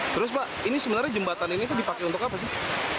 terus pak ini sebenarnya jembatan ini itu dipakai untuk apa sih